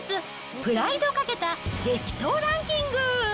プライドをかけた激闘ランキング。